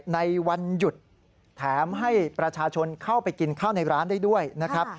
ในวันหยุดแถมให้ประชาชนเข้าไปกินข้าวในร้านได้ด้วยนะครับ